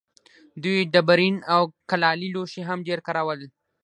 دوی ډبرین او کلالي لوښي هم ډېر کارول.